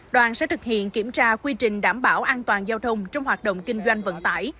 đoàn sẽ thực hiện kiểm tra quy trình đảm bảo an toàn giao thông trong hoạt động kinh doanh vận tải